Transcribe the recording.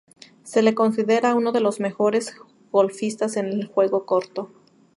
Se le considera uno de los mejores golfistas en el juego corto.